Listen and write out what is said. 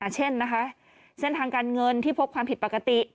เช่นนะคะเส้นทางการเงินที่พบความผิดปกติ